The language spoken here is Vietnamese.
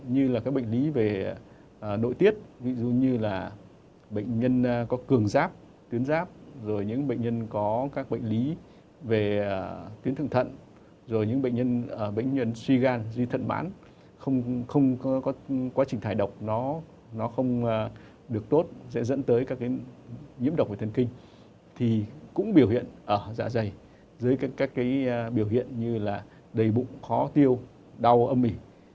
như là các bệnh lý về nội tiết ví dụ như là bệnh nhân có cường giáp tiến giáp rồi những bệnh nhân có các bệnh lý về tiến thường thận rồi những bệnh nhân suy gan duy thận bán không có quá trình thải độc nó không được tốt sẽ dẫn tới các nhiễm độc về thần kinh thì cũng biểu hiện ở dạ dày dưới các biểu hiện như là đầy bụng khó tiêu đau âm mỉ